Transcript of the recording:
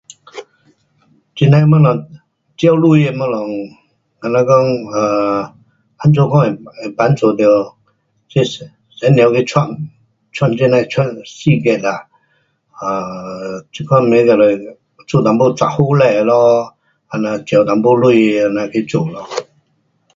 这样的东西借钱的东西，好像讲啊，怎样讲会，会帮助到这妇女去创，创这样的创事业啊，啊，这款你就是做一点杂货店咯，这样借一点钱这样去做咯。